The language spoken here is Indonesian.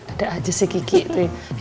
ada aja sih kiki tuh ya